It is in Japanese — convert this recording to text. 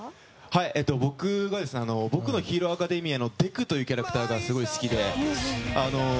僕は「僕のヒーローアカデミア」のデクというキャラクターがすごい好きで。